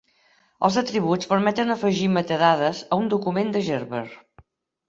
Els atributs permeten afegir metadades a un document de Gerber.